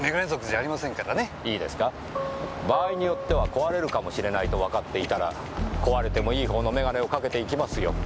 いいですか場合によっては壊れるかもしれないとわかっていたら壊れてもいい方の眼鏡をかけて行きますよ。